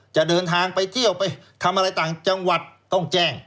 จะเดินทางไปเที่ยวไปทำอะไรต่างจังหวัดต้องแจ้ง